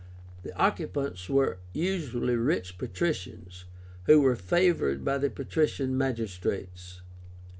The occupants were usually rich patricians, who were favored by the patrician magistrates.